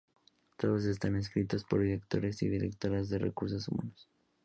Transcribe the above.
Todos están escritos por directores y directoras de recursos humanos.